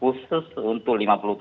khusus untuk lima puluh tujuh